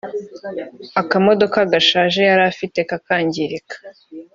akamodoka gashaje yari afite kakangirika